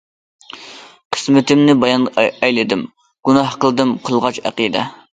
قىسمىتىمنى بايان ئەيلىدىم، گۇناھ قىلدىم قىلغاچ ئەقىدە.